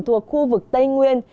thuộc khu vực tây nguyên